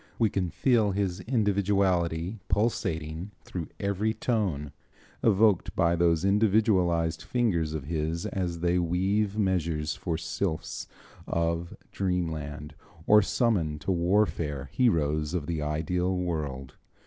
We can feel his individuality pulsating through every tone evoked by those individualized fingers of his as they weave measures for sylphs of dreamland, or summon to warfare heroes of the ideal world.